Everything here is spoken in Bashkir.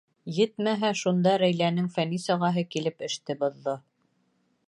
Етмәһә, шунда Рәйләнең Фәнис ағаһы килеп эште боҙҙо.